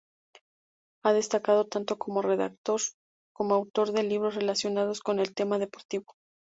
Ha destacado tanto como redactor como autor de libros relacionados con el tema deportivo.